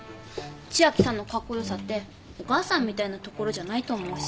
千明さんのカッコ良さってお母さんみたいなところじゃないと思うし。